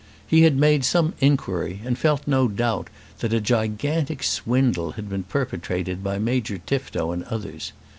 He had made some inquiry, and felt no doubt that a gigantic swindle had been perpetrated by Major Tifto and others.